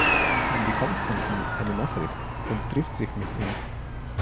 Sie bekommt von ihm eine Nachricht und trifft sich mit ihm.